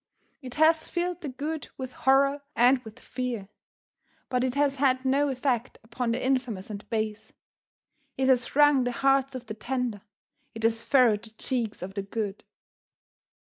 It has filled the good with horror and with fear; but it has had no effect upon the infamous and base. It has wrung the hearts of the tender; it has furrowed the cheeks of the good.